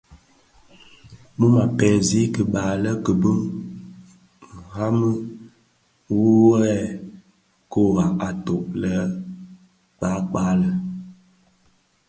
Mum a pèzi kiba le kibuň mdhami wuèl kurak atōg lè la nne wuo kpakpa lè u.